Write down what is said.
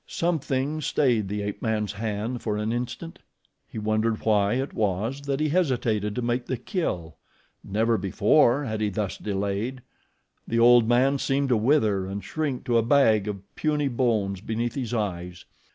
Something stayed the ape man's hand for an instant. He wondered why it was that he hesitated to make the kill; never before had he thus delayed. The old man seemed to wither and shrink to a bag of puny bones beneath his eyes.